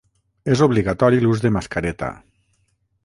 És obligatori l'ús de mascareta.